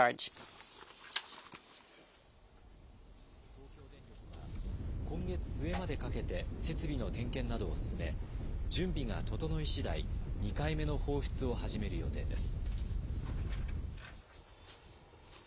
東京電力は、今月末までかけて、設備の点検などを進め、準備が整いしだい、２回目の放出を始める予定です。